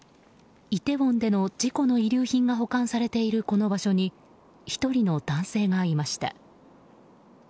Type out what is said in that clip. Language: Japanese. イテウォンでの事故の遺留品が保管されているこの場所に１人の男性がいました。